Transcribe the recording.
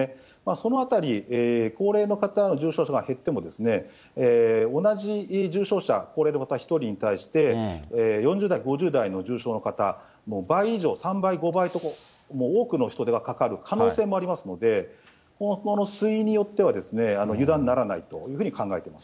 そのあたり、高齢の方の重症者が減っても、同じ重症者、高齢の方１人に対して４０代、５０代の重症の方、倍以上、３倍、５倍と多くの人手がかかる可能性もありますので、ここの推移によっては油断ならないというふうに考えています。